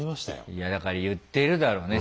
いやだから言ってるだろうね